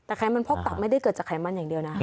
แต่ไขมันพอกตับไม่ได้เกิดจากไขมันอย่างเดียวนะ